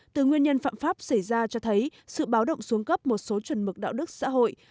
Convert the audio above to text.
từ nguyên nhân phạm pháp xảy ra cho thấy sự báo động xuống cấp một số chuẩn mực đạo đức xã hội